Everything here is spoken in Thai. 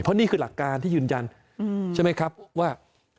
เพราะนี่คือหลักการที่ยืนยันใช่ไหมครับว่า